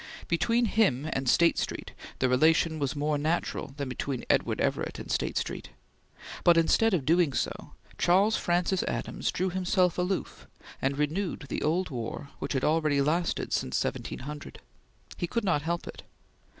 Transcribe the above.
Between him and State Street the relation was more natural than between Edward Everett and State Street; but instead of doing so, Charles Francis Adams drew himself aloof and renewed the old war which had already lasted since 1700. He could not help it.